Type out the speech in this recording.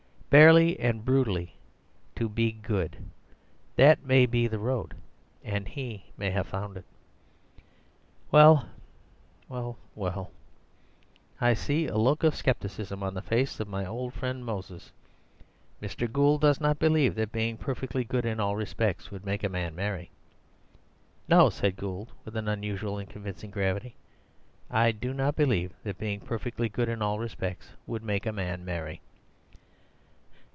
Barely and brutally to be good—that may be the road, and he may have found it. Well, well, well, I see a look of skepticism on the face of my old friend Moses. Mr. Gould does not believe that being perfectly good in all respects would make a man merry." "No," said Gould, with an unusual and convincing gravity; "I do not believe that being perfectly good in all respects would make a man merry."